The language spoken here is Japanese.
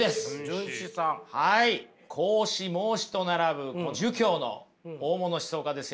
孔子孟子と並ぶ儒教の大物思想家ですよ。